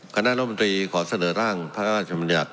คณะโรงมิตรีขอเสนอร่างพระอาจมติรักษ์